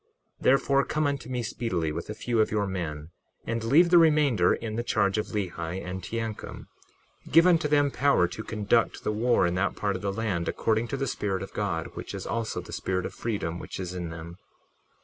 61:15 Therefore, come unto me speedily with a few of your men, and leave the remainder in the charge of Lehi and Teancum; give unto them power to conduct the war in that part of the land, according to the Spirit of God, which is also the Spirit of freedom which is in them.